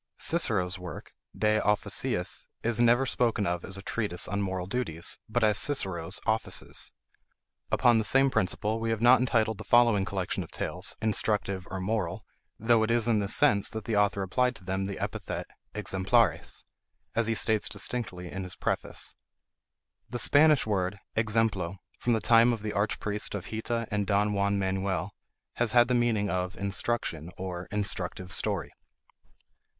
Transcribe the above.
Cicero's work De Officiis is never spoken of as a treatise on Moral Duties, but as Cicero's Offices. Upon the same principle we have not entitled the following collection of tales, Instructive or Moral; though it is in this sense that the author applied to them the epithet exemplares, as he states distinctly in his preface. The Spanish word exemplo, from the time of the archpriest of Hita and Don Juan Manuel, has had the meaning of instruction, or instructive story.